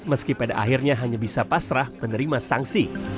meski pada akhirnya hanya bisa pasrah menerima sanksi